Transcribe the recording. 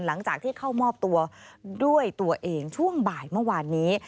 หลังจากที่เข้ามอบตัวด้วยตัวเองช่วงบ่ายเมื่อวานนี้